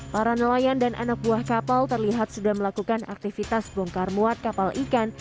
para nelayan dan anak buah kapal terlihat sudah melakukan aktivitas bongkar muat kapal ikan